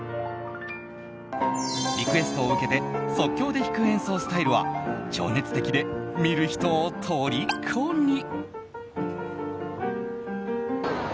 リクエストを受けて即興で弾く演奏スタイルは情熱的で見る人をとりこに。